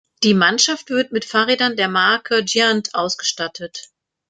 Die Mannschaft wird mit Fahrrädern der Marke Giant ausgestattet.